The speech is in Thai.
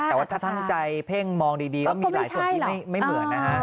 แต่ถ้าทักใจเพ่งมองดีแล้วมีแหล่นการที่ไม่เหมือนนะฮะ